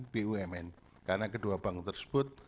bumn karena kedua bank tersebut